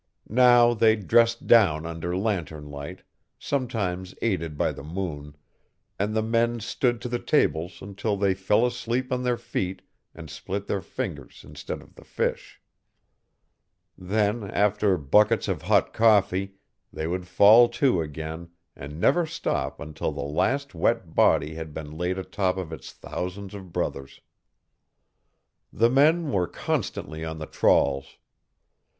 Now they dressed down under lantern light, sometimes aided by the moon, and the men stood to the tables until they fell asleep on their feet and split their fingers instead of the fish. Then, after buckets of hot coffee, they would fall to again and never stop until the last wet body had been laid atop of its thousands of brothers. The men were constantly on the trawls.